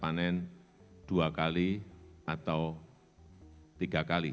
panen dua kali atau tiga kali